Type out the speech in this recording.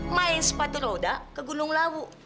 main sepatu roda ke gunung lawu